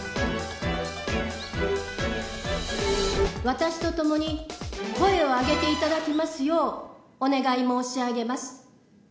私と共に声を上げて頂きますようお願い申し上げます。